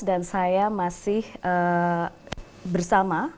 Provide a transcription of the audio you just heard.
dan saya masih bersama